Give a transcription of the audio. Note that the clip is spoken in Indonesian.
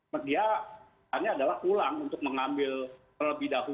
makanya hanya adalah pulang untuk mengambil terlebih dahulu alat itu